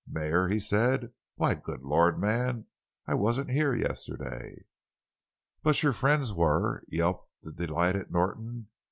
"Mayor?" he said. "Why, good Lord, man, I wasn't here yesterday!" "But your friends were!" yelped the delighted Norton.